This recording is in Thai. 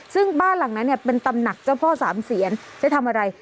ซึ่งบ้านหลังนั้นเนี่ยเป็นตำหนักเจ้าพ่อสามเสียนจะทำอะไร